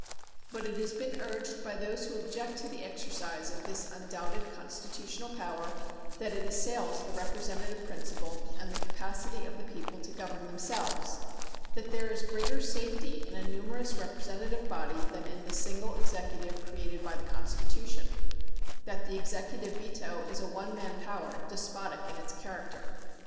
But it has been urged by those who object to the exercise of this undoubted constitutional power that it assails the representative principle and the capacity of the people to govern themselves; that there is greater safety in a numerous representative body than in the single Executive created by the Constitution, and that the Executive veto is a "one man power," despotic in its character.